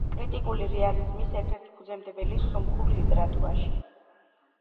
კრიტიკული რეალიზმის ერთ-ერთი ფუძემდებელი სომხურ ლიტერატურაში.